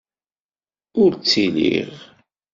Ur ttiliɣ.